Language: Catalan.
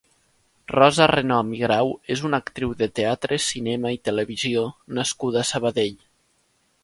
Rosa Renom i Grau és una actriu de teatre, cinema i televisió nascuda a Sabadell.